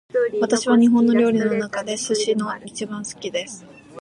私は日本料理の中で寿司が一番好きです